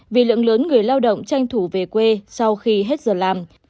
vì lượng lớn người lao động tranh thủ về quê sau khi hết giờ làm